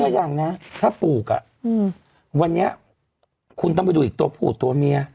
อย่างนะถ้าปลูกอ่ะวันนี้คุณต้องไปดูอีกตัวผู้ตัวเมีย